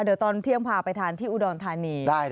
เดี๋ยวตอนเที่ยงพาไปทานที่อุดรธานี